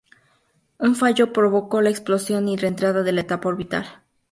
Un falló provocó la explosión y reentrada de la etapa orbital.